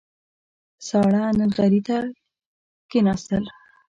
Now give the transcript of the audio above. ساړه نغري ته کېناستل.